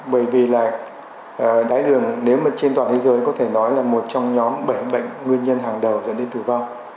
bởi vì là đáy đường nếu mà trên toàn thế giới có thể nói là một trong nhóm bảy bệnh nguyên nhân hàng đầu dẫn đến tử vong